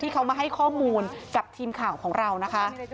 เขามาให้ข้อมูลกับทีมข่าวของเรานะคะ